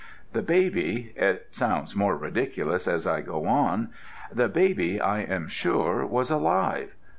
The baby it sounds more ridiculous as I go on the baby, I am sure, was alive.